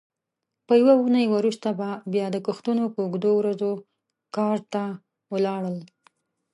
یوه اوونۍ وروسته به بیا د کښتونو په اوږدو ورځو کار ته ولاړل.